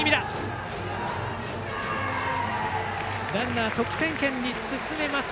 ランナー、得点圏に進めます。